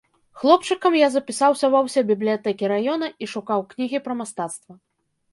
Хлопчыкам я запісаўся ва ўсе бібліятэкі раёна і шукаў кнігі пра мастацтва.